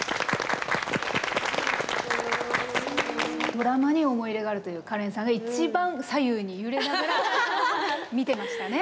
ドラマに思い入れがあるというかれんさんが一番左右に揺れながら見てましたね。